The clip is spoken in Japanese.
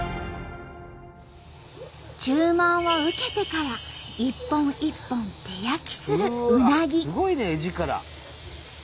注文を受けてから一本一本手焼きするうなぎ。